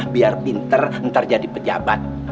biar pinter ntar jadi pejabat